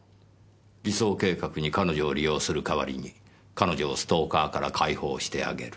偽装計画に彼女を利用するかわりに彼女をストーカーから解放してあげる。